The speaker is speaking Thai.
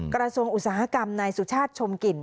กระทรวงอุตสาหกรรมนายสุชาติชมกลิ่น